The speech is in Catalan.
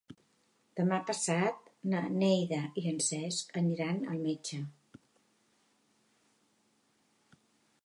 Demà passat na Neida i en Cesc aniran al metge.